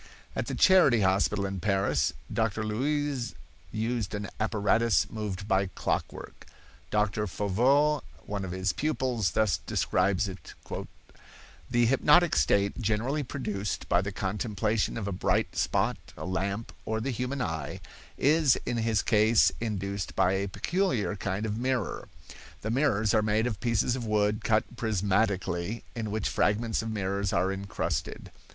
At the Charity hospital in Paris, Doctor Luys used an apparatus moved by clockwork. Doctor Foveau, one of his pupils, thus describes it: "The hypnotic state, generally produced by the contemplation of a bright spot, a lamp, or the human eye, is in his case induced by a peculiar kind of mirror. The mirrors are made of pieces of wood cut prismatically in which fragments of mirrors are incrusted.